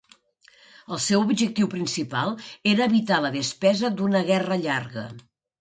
El seu objectiu principal era evitar la despesa d'una guerra llarga.